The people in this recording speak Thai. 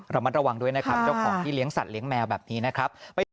ระมัดระวังด้วยนะครับเจ้าของที่เลี้ยสัตเลี้ยงแมวแบบนี้นะครับ